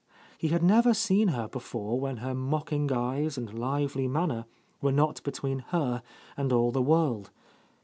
He had never seen her before when her mocking eyes and lively manner were not between her and all the world.